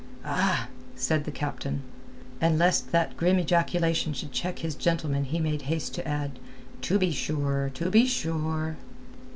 "Ah!" said the captain. And lest that grim ejaculation should check his gentleman he made haste to add—"To be sure! To be sure!"